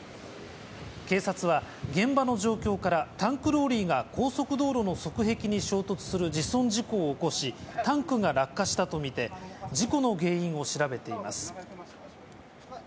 警察は現場の状況から、タンクローリーが高速道路の側壁に衝突する自損事故を起こし、タンクが落下したと見て、事故の原因を調べています。